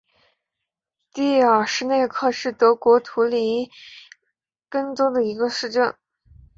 蒂尔施内克是德国图林根州的一个市镇。